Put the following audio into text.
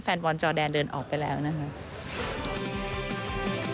แฟนบอลจอแดนเดินออกไปแล้วนะคะ